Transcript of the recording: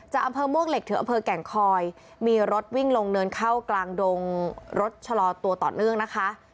อำเภอมวกเหล็กถึงอำเภอแก่งคอยมีรถวิ่งลงเนินเข้ากลางดงรถชะลอตัวต่อเนื่องนะคะ